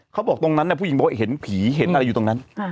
เขาบอกตรงนั้นผู้หญิงบอกว่าเห็นผีเห็นอะไรอยู่ตรงนั้น